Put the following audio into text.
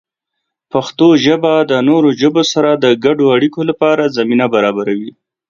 پښتو ژبه د نورو ژبو سره د ګډو ارتباطاتو لپاره زمینه برابروي.